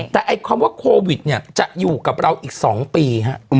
แต่ความว่าโควิดจะอยู่กับเราอีก๒ปี